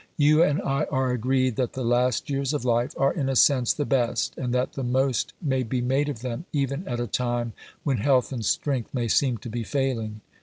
You and I are agreed that the last years of life are in a sense the best, and that the most may be made of them even at a time when health and strength may seem to be failing."